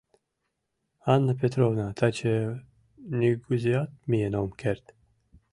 Анна Петровна, таче нигузеат миен ом керт.